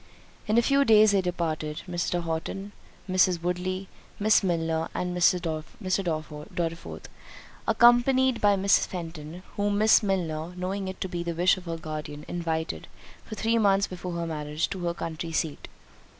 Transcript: In a few days they departed; Mrs. Horton, Miss Woodley, Miss Milner, and Mr. Dorriforth, accompanied by Miss Fenton, whom Miss Milner, knowing it to be the wish of her guardian, invited, for three months before her marriage, to her country seat.